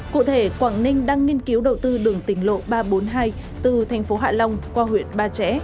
cụ thể quảng ninh đang nghiên cứu đầu tư đường tỉnh lộ ba trăm bốn mươi hai từ thành phố hạ long qua huyện ba trẻ